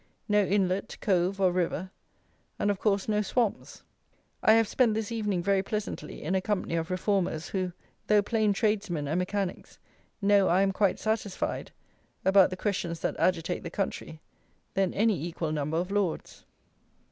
No inlet, cove, or river; and, of course, no swamps. I have spent this evening very pleasantly in a company of reformers, who, though plain tradesmen and mechanics, know I am quite satisfied, more about the questions that agitate the country, than any equal number of Lords.